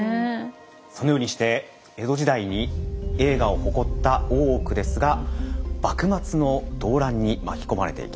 そのようにして江戸時代に栄華を誇った大奧ですが幕末の動乱に巻き込まれていきます。